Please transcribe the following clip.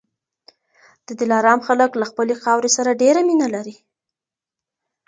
د دلارام خلک له خپلي خاورې سره ډېره مینه لري.